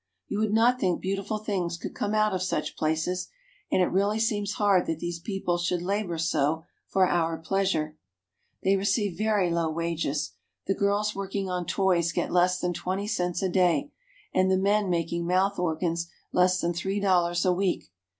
You would not think beauti ful things could come out of such places, and it really seems hard that these people should labor so for our pleasure. 23O GERMANY. They receive very low wages. The girls working on toys get less than twenty cents a day, and the men making mouth organs less than three dollars a week.